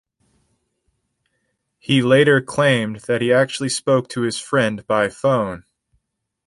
He later claimed that he actually spoke to his friend by phone.